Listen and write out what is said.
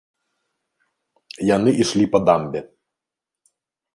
Яны ішлі па дамбе.